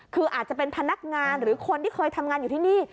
คืออาจจะเป็นพนักงานหรือคนที่เคยทำงานอยู่ที่นี่